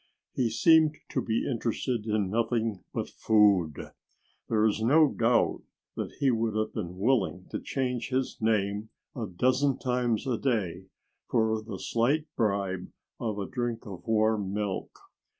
He seemed to be interested in nothing but food. There is no doubt that he would have been willing to change his name a dozen times a day for the slight bribe of a drink of warm milk.